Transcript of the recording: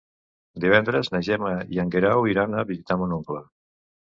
Divendres na Gemma i en Guerau iran a visitar mon oncle.